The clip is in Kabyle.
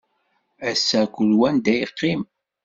Ass-a kul wa anda yeqqim.